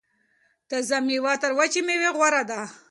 تازه میوه تر وچې میوې غوره ده.